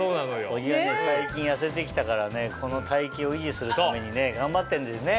小木は最近痩せて来たからこの体形を維持するためにね頑張ってんですね。